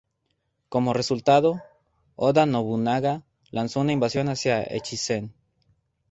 Como resultado, Oda Nobunaga lanzó una invasión hacia Echizen.